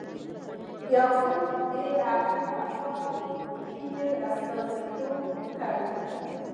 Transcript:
یاقوت د افغان ځوانانو د هیلو استازیتوب کوي.